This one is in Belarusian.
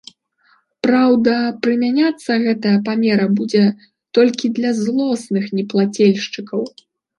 Праўда, прымяняцца гэтая мера будзе толькі да злосных неплацельшчыкаў.